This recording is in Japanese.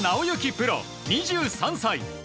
プロ、２３歳。